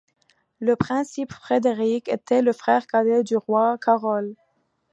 Le prince Frédéric était le frère cadet du roi Carol.